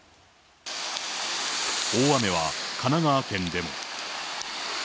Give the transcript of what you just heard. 大雨は神奈川県でも。